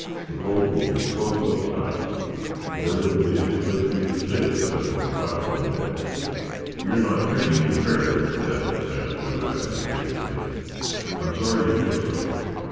The boat will be closed up tight, and there wouldn't be any place for you to stay, except on the platform deck." "You're not treating me fairly," protested Sam Truax, indignantly. "I'm sorry you think so.